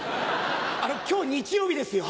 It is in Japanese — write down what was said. あの今日日曜日ですよ。